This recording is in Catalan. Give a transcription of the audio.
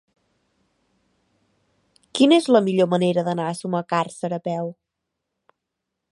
Quina és la millor manera d'anar a Sumacàrcer a peu?